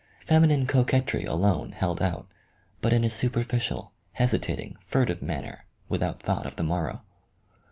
Feminine coquetry alone held out, but in a superficial, hesitating, furtive manner, without thought of the morrow.